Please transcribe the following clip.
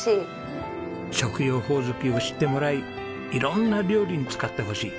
食用ホオズキを知ってもらい色んな料理に使ってほしい。